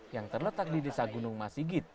yang terletak di desa gunung masigit